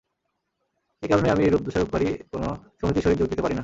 এই কারণেই আমি এইরূপ দোষারোপকারী কোন সমিতির সহিত যোগ দিতে পারি না।